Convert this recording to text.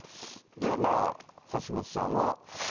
橋下さんは。